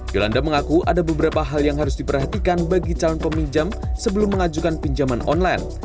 yolanda mengaku ada beberapa hal yang harus diperhatikan bagi calon peminjam sebelum mengajukan pinjaman online